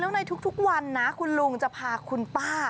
ในทุกวันนะคุณลุงจะพาคุณป้า